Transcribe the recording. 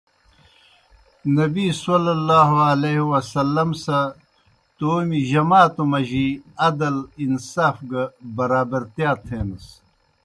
نبیؐ سہ تومیْ جماتو مجی عدل، انصاف گہ برابرتِیا تھینَس۔